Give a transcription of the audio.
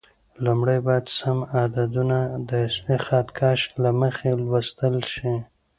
لومړی باید سم عددونه د اصلي خط کش له مخې لوستل شي.